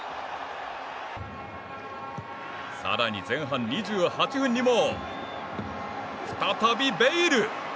さらに前半２８分にも再び、ベイル！